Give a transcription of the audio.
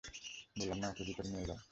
বললাম না, ওকে ভিতরে নিয়ে যাও।